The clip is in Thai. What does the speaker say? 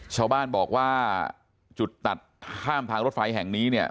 ชาวบ้านบอกว่าจุดตัดข้ามทางรถไฟแห่งนี้เนี่ย